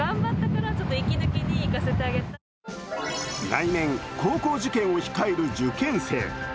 来年、高校受験を控える受験生。